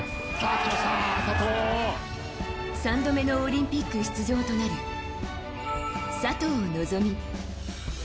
３度目のオリンピック出場となる佐藤希望。